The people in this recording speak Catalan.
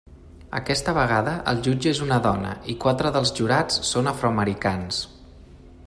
Aquesta vegada el jutge és una dona i quatre dels jurats són afroamericans.